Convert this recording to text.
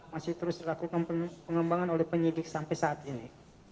masih terus dilakukan pengembangan oleh penyidik sampai saat ini